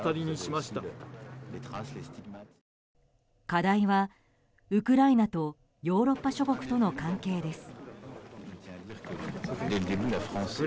課題は、ウクライナとヨーロッパ諸国との関係です。